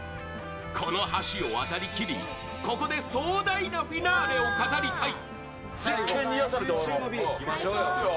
この橋を渡りきり、ここで壮大なフィナーレを飾りたい。